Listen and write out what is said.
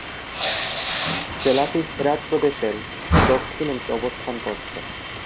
জেলাটি হেরাত প্রদেশের দক্ষিণ অংশে অবস্থান করছে।